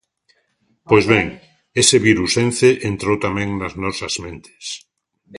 Pois ben, ese virus Ence entrou tamén nas nosas mentes.